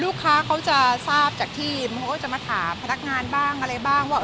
ลูกค้าเขาจะทราบจากที่เขาก็จะมาถามพนักงานบ้างอะไรบ้างว่า